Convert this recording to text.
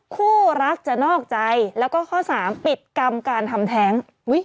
คู่รักจะนอกใจแล้วก็ข้อสามปิดกรรมการทำแท้ง